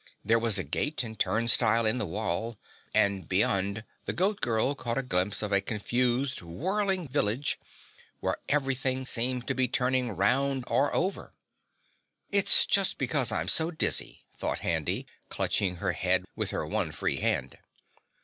There was a gate and turnstile in the wall, and beyond the Goat Girl caught a glimpse of a confused whirling village where everything seemed to be turning round or over. "It's just because I'm so dizzy," thought Handy, clutching her head with her one free hand.